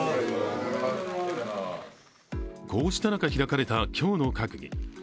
こうした中、開かれた今日の閣議。